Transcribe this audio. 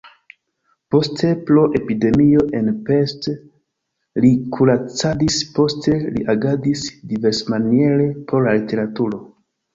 Poste pro epidemio en Pest li kuracadis, poste li agadis diversmaniere por la literaturo.